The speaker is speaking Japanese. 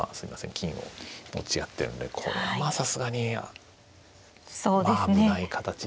金を持ち合ってるんでこれはさすがに危ない形ですよね。